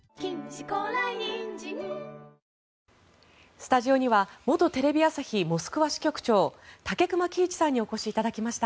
スタジオには元テレビ朝日モスクワ支局長武隈喜一さんにお越しいただきました。